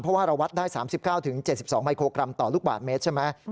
เพราะว่าเราวัดได้๓๙๗๒มิโครกรัมต่อลูกบาทเมตรใช่ไหม